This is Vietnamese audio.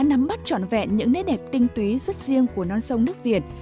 nắm bắt trọn vẹn những nét đẹp tinh túy rất riêng của non sông nước việt